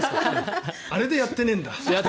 あれでやってねえんだ。